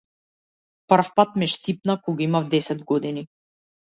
Првпат ме штипна кога имав десет години.